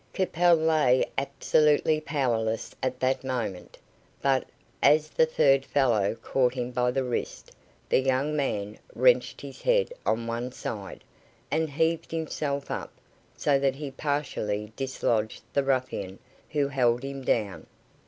Capel lay absolutely powerless at that moment; but, as the third fellow caught him by the wrist, the young man wrenched his head on one side, and heaved himself up, so that he partially dislodged the ruffian who held him down.